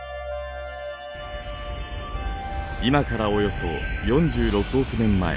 今からおよそ４６億年前。